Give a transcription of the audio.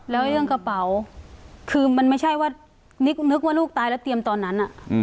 แล้วเรื่องกระเป๋าคือมันไม่ใช่ว่านึกว่าลูกตายแล้วเตรียมตอนนั้น